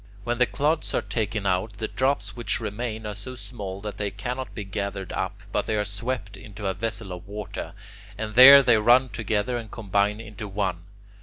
When the clods are taken out, the drops which remain are so small that they cannot be gathered up, but they are swept into a vessel of water, and there they run together and combine into one.